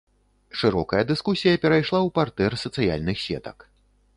Шырокая дыскусія перайшла ў партэр сацыяльных сетак.